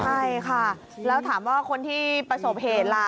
ใช่ค่ะแล้วถามว่าคนที่ประสบเหตุล่ะ